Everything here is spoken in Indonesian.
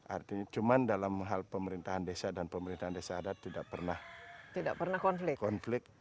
artinya cuma dalam hal pemerintahan desa dan pemerintahan desa adat tidak pernah konflik